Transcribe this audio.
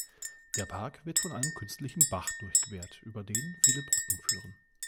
Der Park wird von einem künstlichen Bach durchquert, über den vielen Brücken führen.